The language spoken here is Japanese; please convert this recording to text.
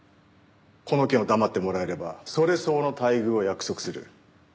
この件を黙ってもらえればそれ相応の待遇を約束する。